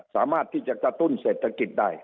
สามารถที่จะกระตุ้นเศรษฐกิจได้